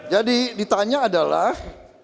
jadi ditanya adalah